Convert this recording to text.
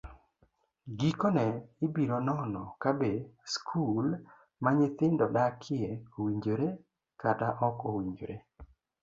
Gikone, ibiro nono kabe skul ma nyithindo dakie owinjore kata ok owinjore.